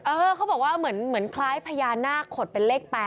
เขาบอกว่าเหมือนคล้ายพญานาคขดเป็นเลข๘